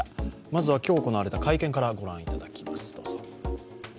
まずは、今日行われた会見から御覧いただきます。